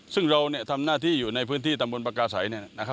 ซึ่งเราทำหน้าที่อยู่ในพื้นที่ตำบลปากาศัย